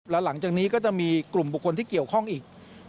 แล้วหลังจากนี้ก็จะมีกลุ่มบุคคลที่เกี่ยวข้องอีก